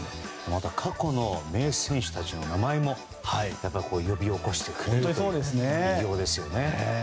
また過去の名選手たちの名前も呼び起こしてくれるという偉業ですよね。